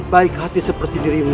baik hati seperti dirimu